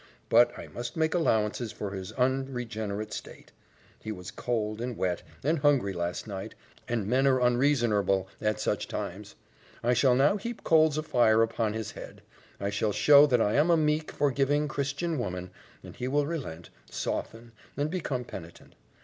But I must make allowances for his unregenerate state. He was cold, and wet, and hungry last night, and men are unreasonerble at such times. I shall now heap coals of fire upon his head. I shall show that I am a meek, forgiving Christian woman, and he will relent, soften, and become penitent.